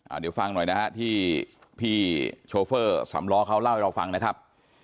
เดี๋ยวฟังหน่อยนะฮะที่พี่โชเฟอร์สำล้อเขาเล่าให้เราฟังนะครับ